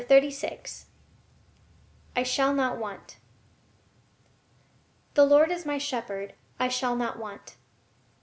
"I SHALL NOT WANT" "The Lord is my shepherd, I shall not want."